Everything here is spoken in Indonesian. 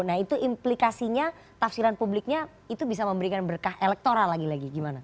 nah itu implikasinya tafsiran publiknya itu bisa memberikan berkah elektoral lagi lagi gimana